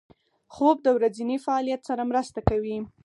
خوب د ورځني فعالیت سره مرسته کوي